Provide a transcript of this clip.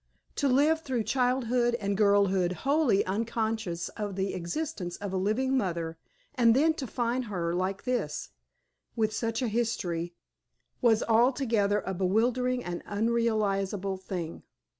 To live through childhood and girlhood wholly unconscious of the existence of a living mother, and then to find her like this, with such a history, was altogether a bewildering and unrealizable thing.